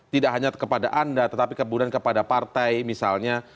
tidak hanya kepada anda tetapi kemudian kepada partai misalnya